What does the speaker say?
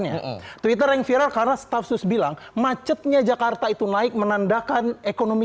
nya twitter yang viral karena stafsus bilang macetnya jakarta itu naik menandakan ekonomi